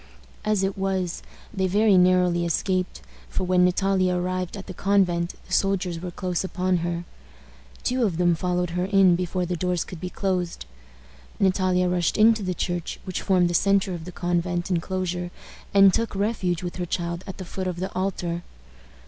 As it was, they very narrowly escaped, for when Natalia arrived at the convent the soldiers were close upon her. Two of them followed her in before the doors could be closed. Natalia rushed into the church, which formed the centre of the convent inclosure, and took refuge with her child at the foot of the altar.